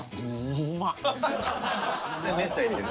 うまっ！